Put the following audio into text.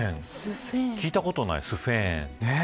聞いたことない、スフェーン。